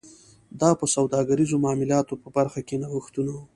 دا په سوداګریزو معاملاتو په برخه کې نوښتونه و